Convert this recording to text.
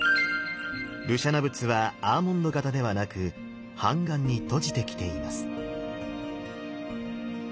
盧舎那仏はアーモンド形ではなく半眼に閉じてきています。